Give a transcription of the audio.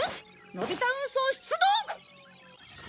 のび太運送出動！